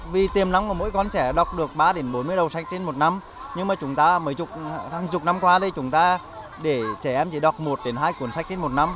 vì tiêm nắng của mỗi con trẻ đọc được ba đến bốn mươi đầu sách trên một năm nhưng mà chúng ta mấy chục năm qua thì chúng ta để trẻ em chỉ đọc một đến hai cuốn sách trên một năm